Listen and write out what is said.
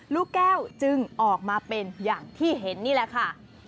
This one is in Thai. ลูกแก้วจึงออกมาเป็นอย่างที่เห็นนี่แหละค่ะ